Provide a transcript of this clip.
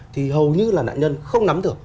thì hầu như là nạn nhân không nắm được